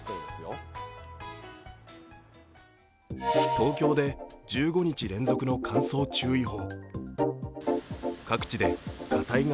東京で１５日連続の乾燥注意報。